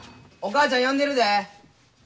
お母ちゃん呼んでるで！